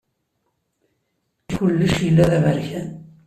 Kullec yella d aberkan.